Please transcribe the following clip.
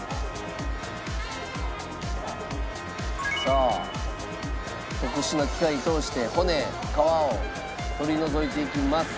さあ特殊な機械に通して骨皮を取り除いていきます。